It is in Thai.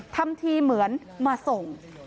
ทำทีเหมือนมาส่ง